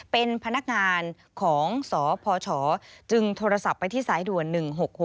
เป็นพนักงานของสพชจึงโทรศัพท์ไปที่สายด่วน๑๖๖